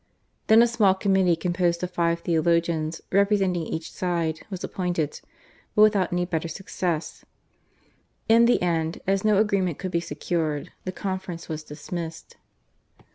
Then a small committee, composed of five theologians representing each side, was appointed, but without any better success. In the end, as no agreement could be secured, the conference was dismissed.